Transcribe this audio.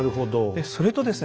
それとですね